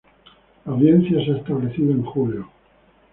La audiencia se ha establecido en julio.